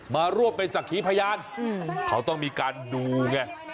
มาร่วมเป็นสักขีพยานเขาต้องมีการดูไง